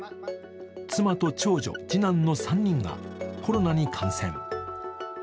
妻と長女、次男の３人がコロナに感染。